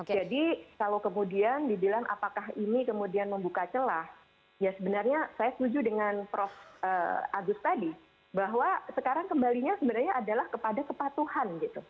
jadi kalau kemudian dibilang apakah ini kemudian membuka celah ya sebenarnya saya setuju dengan prof agus tadi bahwa sekarang kembalinya sebenarnya adalah kepada kepatuhan